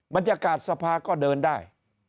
บรรยากาศสภาก็เดินได้